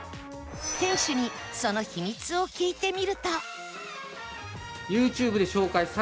店主にその秘密を聞いてみると